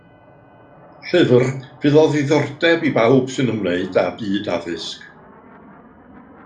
Llyfr fydd o ddiddordeb i bawb sy'n ymwneud â byd addysg.